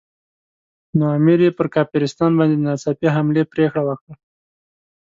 نو امیر پر کافرستان باندې د ناڅاپي حملې پرېکړه وکړه.